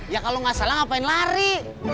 ya kalau nggak salah ngapain lari